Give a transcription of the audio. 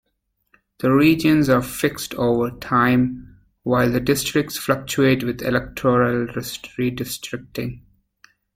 The regions are fixed over time while the districts fluctuate with electoral redistricting.